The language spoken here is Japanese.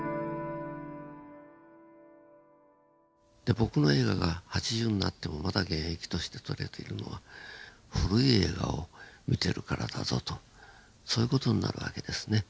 僕の映画が８０になってもまだ現役として撮れているのは古い映画を見てるからだぞとそういう事になるわけですね。